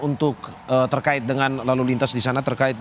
untuk terkait dengan lalu lintas disana